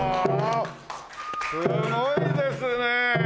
すごいですねえ！